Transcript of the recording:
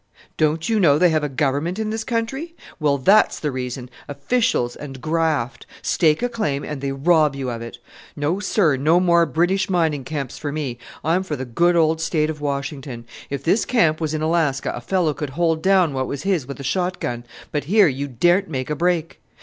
"Don't you know they have a Government in this country? Well, that's the reason: officials and graft! Stake a claim, and they rob you of it! No, sir, no more British mining camps for me. I'm for the good old State of Washington. If this camp was in Alaska a fellow could hold down what was his with a shot gun; but here you daren't make a break.